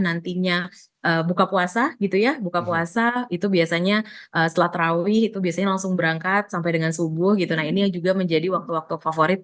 nantinya buka puasa gitu ya buka puasa itu biasanya setelah terawih itu biasanya langsung berangkat sampai dengan subuh gitu nah ini yang juga menjadi waktu waktu favorit